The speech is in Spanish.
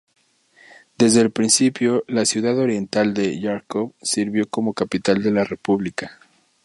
Desde el principio, la ciudad oriental de Járkov sirvió como capital de la república.